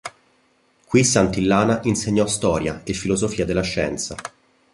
Qui Santillana insegnò storia e filosofia della scienza.